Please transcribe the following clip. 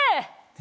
え？